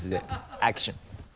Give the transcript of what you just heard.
アクション。